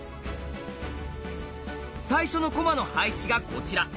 最初の駒の配置がこちら。